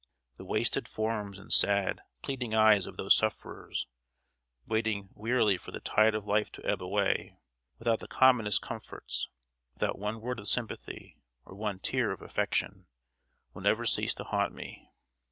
The wasted forms and sad, pleading eyes of those sufferers, waiting wearily for the tide of life to ebb away without the commonest comforts, without one word of sympathy, or one tear of affection will never cease to haunt me.